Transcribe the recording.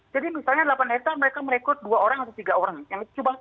jadi misalnya delapan hektare mereka merekrut dua orang atau tiga orang